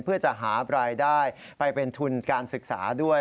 เพื่อจะหาบรายได้ไปเป็นทุนการศึกษาด้วย